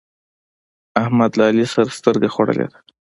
احمد له علي سره سترګه خوړلې ده.